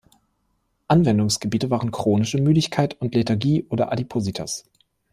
Anwendungsgebiete waren chronische Müdigkeit und Lethargie oder Adipositas.